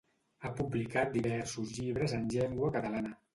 Ha publicat diversos llibres en llengua catalana.